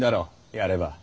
やれば。